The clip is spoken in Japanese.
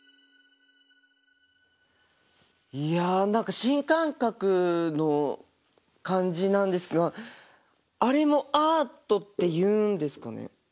いや何か新感覚の感じなんですがあれもアートっていうんですかね？